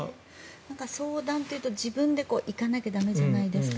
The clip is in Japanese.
相談というと自分で行かなきゃ駄目じゃないですか。